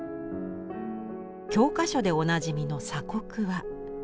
教科書でおなじみの「鎖国」は。